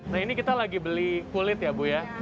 nah ini kita lagi beli kulit ya bu ya